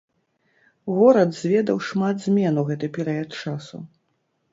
Горад зведаў шмат змен у гэты перыяд часу.